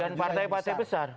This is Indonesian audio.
dan partai partai besar